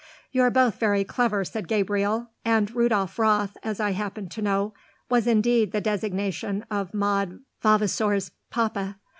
"You're both very clever," said Gabriel, "and Rudolf Roth, as I happen to know, was indeed the designation of Maud Vavasour's papa.